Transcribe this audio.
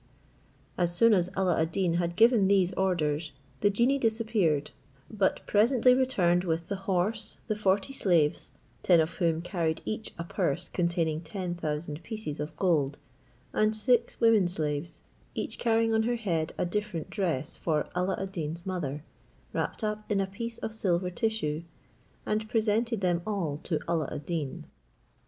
As soon as Alla ad Deen had given these orders, the genie disappeared, but presently returned with the horse, the forty slaves, ten of whom carried each a purse containing ten thousand pieces of gold, and six women slaves, each carrying on her head a different dress for Alla ad Deen's mother, wrapped up in a piece of silver tissue, and presented them all to Alla ad Deen.